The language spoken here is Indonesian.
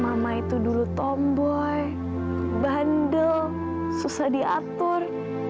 mama itu dulu tomboy bandel susah diatur